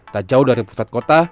tak jauh dari pusat kota